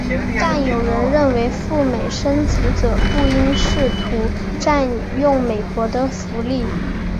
但是有人认为赴美生子者不应试图占用美国的福利。